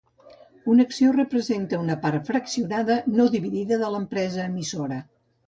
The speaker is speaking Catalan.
Una acció representa una part fraccionada no dividida de l'empresa emissora.